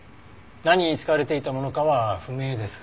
何に使われていたものかは不明です。